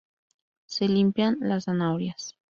Se limpian las zanahorias